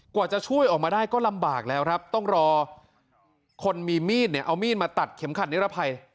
กว่าจะช่วยออกมาได้ก็ลำบากแล้วครับต้องรอคนมีมีดเนี่ยเอามีดมาตัดเข็มขัดนิรภัย